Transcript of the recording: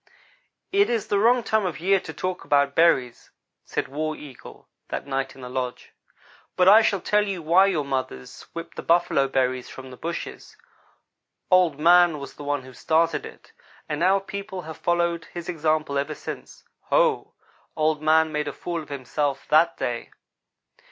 "It is the wrong time of year to talk about berries," said War Eagle, that night in the lodge, "but I shall tell you why your mothers whip the buffalo berries from the bushes. Old man was the one who started it, and our people have followed his example ever since. Ho! Old man made a fool of himself that day.